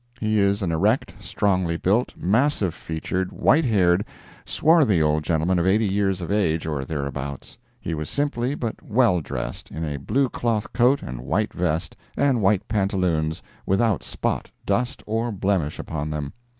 He is an erect, strongly built, massive featured, white haired, swarthy old gentleman of 80 years of age or thereabouts. He was simply but well dressed, in a blue cloth coat and white vest, and white pantaloons, without spot, dust or blemish upon them.